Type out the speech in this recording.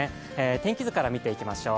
天気図から見ていきましょう。